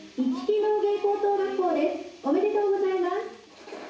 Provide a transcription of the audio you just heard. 「おめでとうございます」